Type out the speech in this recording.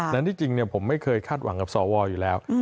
นั้นที่จริงผมไม่เคยคาดหวังกับสวอยู่แล้ว